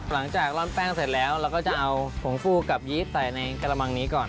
ร่อนแป้งเสร็จแล้วเราก็จะเอาผงฟูกับยี๊ดใส่ในกระมังนี้ก่อน